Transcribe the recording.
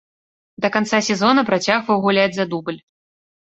Да канца сезона працягваў гуляць за дубль.